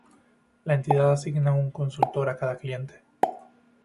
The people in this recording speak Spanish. La entidad asigna un consultor a cada cliente.